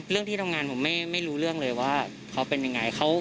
เรื่องที่ทำงานผมไม่รู้เรื่องเลยว่าเขาเป็นอย่างไร